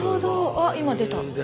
あ今出た。